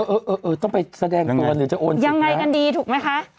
เออต้องไปแสดงตัวยังไงกันดีถูกไหมคะ